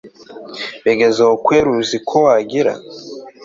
bigezaho kweli uziko wagira